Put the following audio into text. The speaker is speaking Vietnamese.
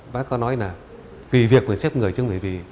bác có nói là vì việc mà xếp người chứ không phải vì